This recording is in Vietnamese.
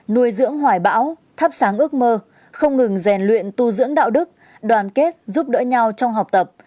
nuôi dưỡng hoài bão thắp sáng ước mơ không ngừng rèn luyện tu dưỡng đạo đức đoàn kết giúp đỡ nhau trong học tập